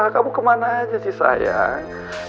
kamu kemana aja sih sayang